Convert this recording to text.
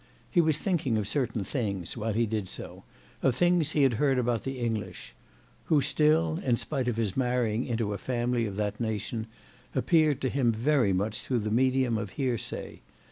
He was thinking of certain things while he did so, of things he had heard about the English; who still, in spite of his having married into a family of that nation, appeared to him very much through the medium of hearsay.